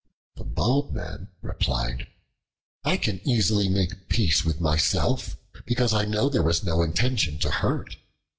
The Bald Man replied, "I can easily make peace with myself, because I know there was no intention to hurt.